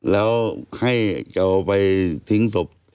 แล้วให้จะเอาไปทิ้งศพ